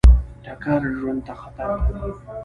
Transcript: ټکر ژوند ته خطر لري.